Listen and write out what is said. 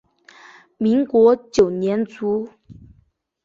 民国九年卒。